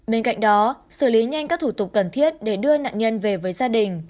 bên cạnh đó xử lý nhanh các thủ tục cần thiết để đưa nạn nhân về với gia đình